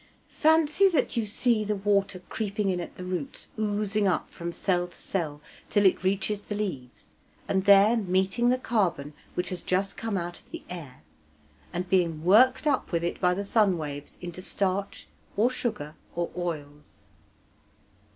Fancy that you see the water creeping in at the roots, oozing up from cell to cell till it reaches the leaves, and there meeting the carbon which has just come out of the air, and being worked up with it by the sun waves into starch, or sugar, or oils.